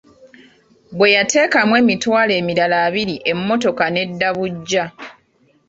Bwe yateekamu emitwalo emirala abiri emmotoka n'edda buggya.